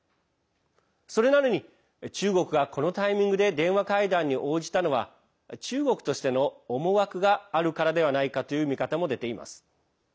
それなのに、中国がこのタイミングで電話会談に応じたのは中国としての思惑があるからではないかという見方も出ています。